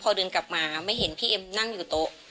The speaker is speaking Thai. พอเดินกลับมาไม่เห็นพี่เอ็มนั่งอยู่โต๊ะ